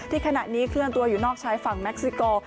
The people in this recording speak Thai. ขณะนี้เคลื่อนตัวอยู่นอกชายฝั่งแม็กซิโก